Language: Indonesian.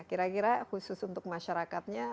kira kira khusus untuk masyarakatnya